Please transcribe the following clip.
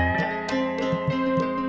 rejeki budak soleh